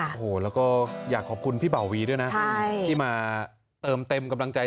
โอ้โหแล้วก็อยากขอบคุณพี่เบาวีด้วยนะที่มาเติมเต็มกำลังใจ